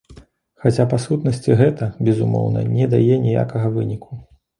Хаця па сутнасці гэта, безумоўна, не дае ніякага выніку.